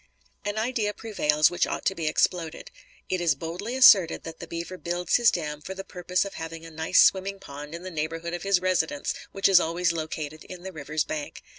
An idea prevails which ought to be exploded. It is boldly asserted that the beaver builds his dam for the purpose of having a nice swimming pond in the neighborhood of his residence, which is always located in the river's bank.